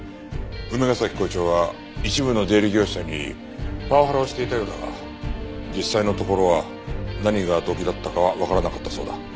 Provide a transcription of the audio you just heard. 梅ヶ崎校長は一部の出入り業者にパワハラをしていたようだが実際のところは何が動機だったかはわからなかったそうだ。